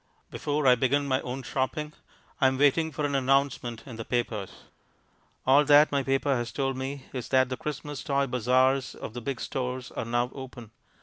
Before I begin my own shopping I am waiting for an announcement in the papers. All that my paper has told me is that the Christmas toy bazaars of the big stores are now open.